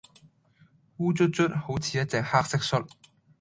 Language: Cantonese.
烏卒卒好似一隻黑蟋蟀